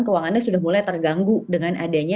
keuangannya sudah mulai terganggu dengan adanya